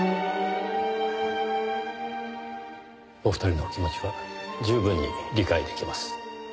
お二人のお気持ちは十分に理解出来ます。